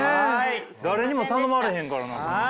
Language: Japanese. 誰にも頼まれへんからな。